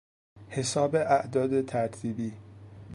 حساب اعداد ترتیبی